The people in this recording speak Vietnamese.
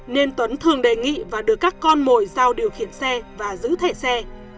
nên tuấn thường đề nghị và được các con mồi giao điều khiển xe và giữ thẻ xe